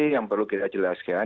yang perlu kita jelaskan